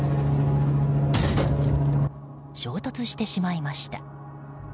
衝突してしまいました。